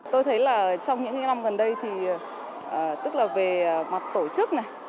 tôi thấy là trong những năm gần đây tức là về mặt tổ chức